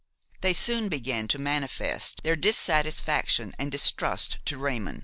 They soon began to manifest their dissatisfaction and distrust to Raymon.